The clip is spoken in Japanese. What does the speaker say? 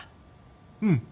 うん。